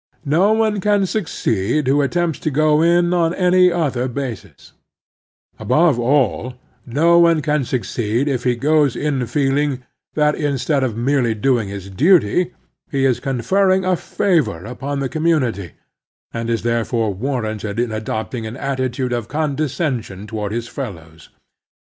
No one can succeed who at tempts to go in on any other basis ; above all, no one can succeed if he goes in feeling that, instead of merely doing his duty, he is conferring a favor upon the community, and is therefore warranted in adopting an attitude of condescension toward J his fellows.